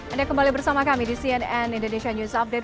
anda kembali bersama kami di cnn indonesia news update